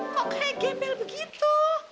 kok kayak gembel begitu